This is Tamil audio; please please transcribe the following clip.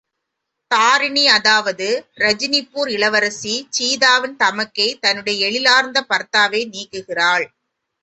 தாரிணி அதாவது ரஜனிபூர் இளவரசி சீதாவின் தமக்கை தன்னுடைய எழிலார்ந்த பர்தாவை நீக்குகிறாள்!